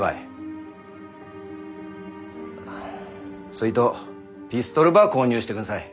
そいとピストルば購入してくんさい。